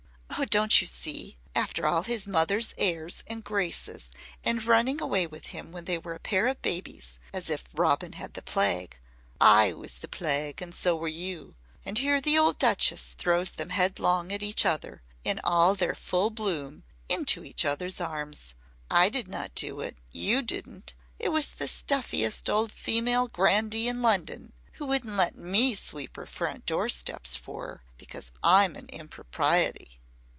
"Oh, don't you see? After all his mother's airs and graces and running away with him when they were a pair of babies as if Robin had the plague. I was the plague and so were you. And here the old Duchess throws them headlong at each other in all their full bloom into each other's arms. I did not do it. You didn't. It was the stuffiest old female grandee in London, who wouldn't let me sweep her front door steps for her because I'm an impropriety."